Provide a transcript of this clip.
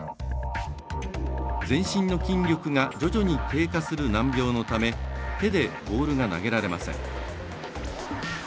全身の筋力が徐々に低下する難病のため手でボールが投げられません。